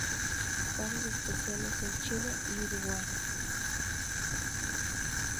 Casos especiales son Chile y Uruguay.